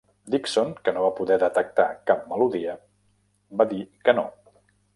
Dickson, que no va poder detectar cap melodia, va dir que no.